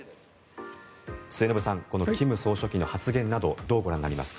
末延さん、金総書記の発言などどうご覧になりますか。